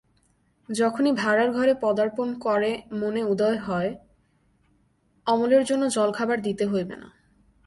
যখনই ভাঁড়ারঘরে পদার্পণ করে মনে উদয় হয়, অমলের জন্য জলখাবার দিতে হইবে না।